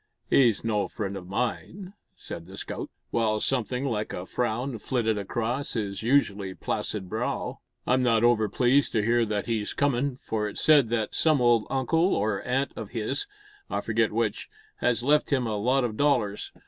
"He's no friend o' mine," said the scout, while something like a frown flitted across his usually placid brow. "I'm not over pleased to hear that he's comin', for it's said that some old uncle or aunt o' his I forget which has left him a lot o' dollars.